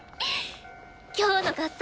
今日の合奏